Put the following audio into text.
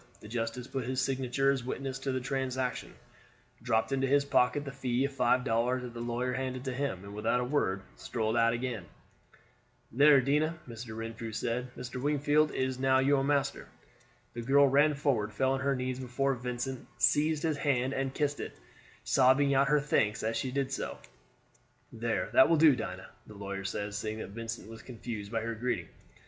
The justice put his signature as witness to the transaction, dropped into his pocket the fee of five dollars that the lawyer handed to him, and without a word strolled out again. "There, Dinah," Mr. Renfrew said, "Mr. Wingfield is now your master." The girl ran forward, fell on her knees before Vincent, seized his hand and kissed it, sobbing out her thanks as she did so. "There, that will do, Dinah," the lawyer said, seeing that Vincent was confused by her greeting.